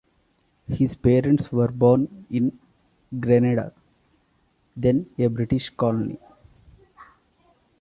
His parents were born in Grenada, then a British colony.